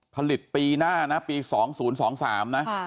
ปีหน้านะปี๒๐๒๓นะ